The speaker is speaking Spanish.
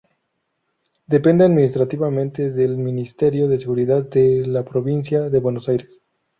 Depende administrativamente del Ministerio de Seguridad de la provincia de Buenos Aires.